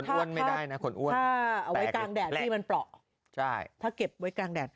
ถ้าเอาไว้กลางแดดที่มันปล่อถ้าเก็บไว้กลางแดด